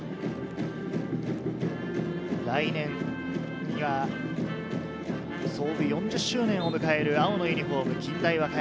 来年には創部４０周年を迎える青のユニホーム、近大和歌山。